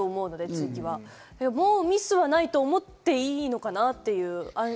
次はもうミスはないと思っていいのかなと。